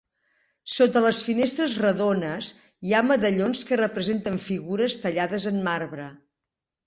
Sota les finestres redones, hi ha medallons que representen figures tallades en marbre.